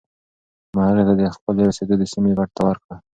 ما هغې ته د خپلې اوسېدو د سیمې پته ورکړه.